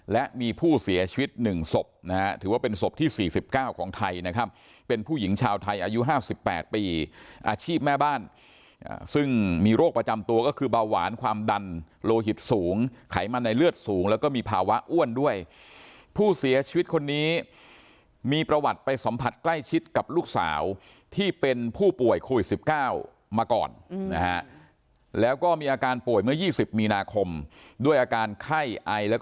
และมีผู้เสียชีวิต๑ศพนะฮะถือว่าเป็นศพที่๔๙ของไทยนะครับเป็นผู้หญิงชาวไทยอายุ๕๘ปีอาชีพแม่บ้านซึ่งมีโรคประจำตัวก็คือเบาหวานความดันโลหิตสูงไขมันในเลือดสูงแล้วก็มีภาวะอ้วนด้วยผู้เสียชีวิตคนนี้มีประวัติไปสัมผัสใกล้ชิดกับลูกสาวที่เป็นผู้ป่วยโควิด๑๙มาก่อนนะฮะแล้วก็มีอาการป่วยเมื่อ๒๐มีนาคมด้วยอาการไข้ไอแล้วก็